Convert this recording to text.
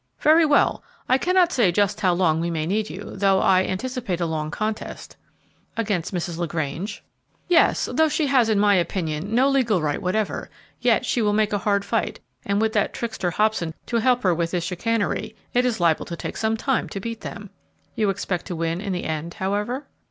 "Very well. I cannot say just how long we may need you, though I anticipate a long contest." "Against Mrs. LaGrange?" "Yes; though she has, in my opinion, no legal right whatever, yet she will make a hard fight, and with that trickster Hobson to help her with his chicanery, it is liable to take some time to beat them." "You expect to win in the end, however?"